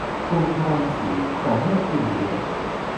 กรุงพาราณสี ประเทศอินเดีย